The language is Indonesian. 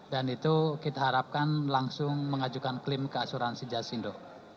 dan itu kita harapkan langsung mengajukan klaim ke asuransi jasindo